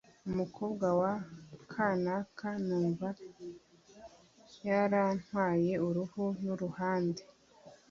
‘umukobwa wa kanaka numva yarantwaye uruhu n’uruhande,